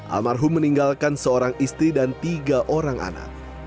almarhum meninggalkan seorang istri dan tiga orang anak